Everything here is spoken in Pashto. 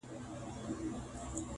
تر احسان لاندي هم ستا هم مو د پلار یم.!